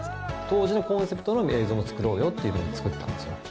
当時のコンセプトの映像を作ろうよっていうふうに作ったんです。